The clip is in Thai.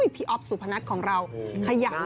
อ๊อฟสุพนัทของเราขยัน